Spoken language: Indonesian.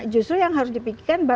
justru yang harus dipikirkan